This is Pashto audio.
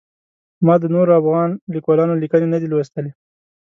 ما د نورو افغان لیکوالانو لیکنې نه دي لوستلي.